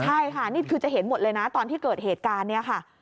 ใช่ค่ะนี่คือจะเห็นหมดเลยนะตอนที่เกิดเหตุการณ์เนี่ยค่ะ